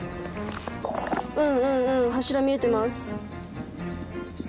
うんうんうん柱見えてます